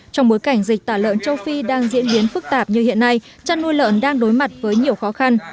trong bối cảnh dịch tả lợn châu phi đang diễn biến phức tạp như hiện nay chăn nuôi lợn đang đối mặt với nhiều khó khăn